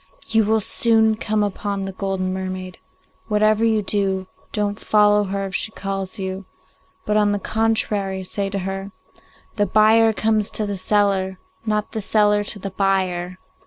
You will soon come upon the golden mermaid. Whatever you do, don't follow her if she calls you, but on the contrary say to her, "The buyer comes to the seller, not the seller to the buyer."